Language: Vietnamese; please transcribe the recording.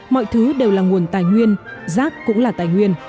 mọi thứ đều là nguồn tài nguyên rác cũng là tài nguyên